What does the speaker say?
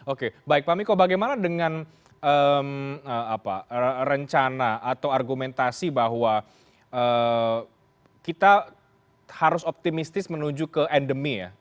oke baik pak miko bagaimana dengan rencana atau argumentasi bahwa kita harus optimistis menuju ke endemi ya